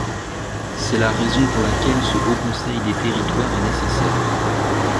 C’est la raison pour laquelle ce Haut conseil des territoires est nécessaire.